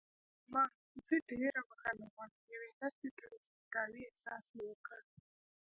خان زمان: زه ډېره بښنه غواړم، یوې نرسې ته د سپکاوي احساس مې وکړ.